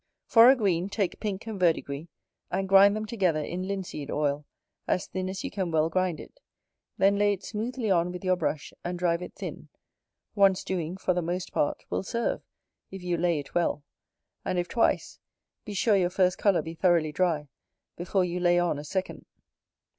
For a green, take pink and verdigris, and grind them together in linseed oil, as thin as you can well grind it: then lay it smoothly on with your brush, and drive it thin; once doing, for the most part, will serve, if you lay it well; and if twice, be sure your first colour be thoroughly dry before you lay on a second.